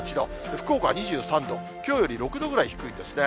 福岡は２３度、きょうより６度ぐらい低いですね。